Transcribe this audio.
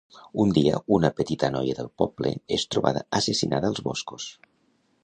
Un dia, una petita noia del poble és trobada assassinada als boscos.